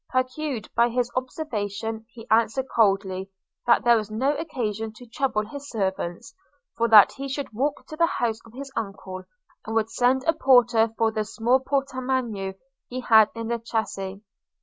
Piqued by his observation, he answered coldly, that there was no occasion to trouble his servants, for that he should walk to the house of his uncle, and would send a porter for the small portmanteau he had in the chaise.